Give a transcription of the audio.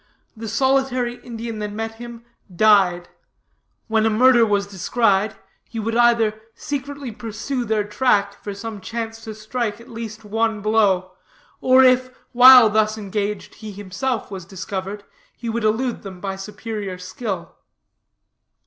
The solitary Indian that met him, died. When a murder was descried, he would either secretly pursue their track for some chance to strike at least one blow; or if, while thus engaged, he himself was discovered, he would elude them by superior skill.